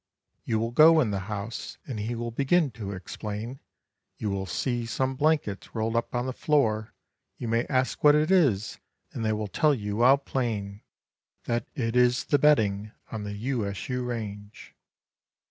You will go in the house and he will begin to explain; You will see some blankets rolled up on the floor; You may ask what it is and they will tell you out plain That it is the bedding on the U S U range.